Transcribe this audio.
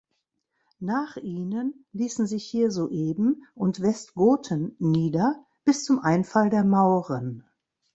Nach ihnen ließen sich hier Sueben und Westgoten nieder, bis zum Einfall der Mauren.